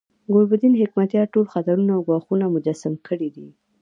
ګلبدین حکمتیار ټول خطرونه او ګواښونه مجسم کړي دي.